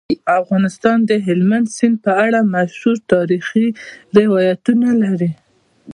افغانستان د هلمند سیند په اړه مشهور تاریخی روایتونه لري.